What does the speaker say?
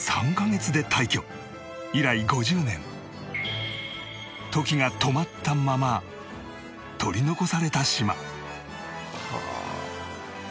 以来５０年時が止まったまま取り残された島